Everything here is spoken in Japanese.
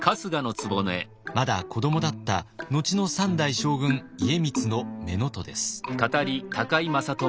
まだ子どもだった後の３代将軍家光の乳母です。